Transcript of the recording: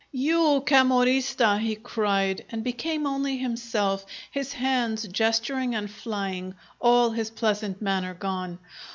"You cammorrista!" he cried, and became only himself, his hands gesturing and flying, all his pleasant manner gone.